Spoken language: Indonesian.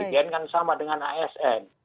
itu sama dengan asn